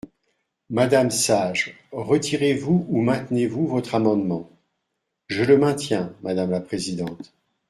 Madame Sage, retirez-vous ou maintenez-vous votre amendement ? Je le maintiens, madame la présidente.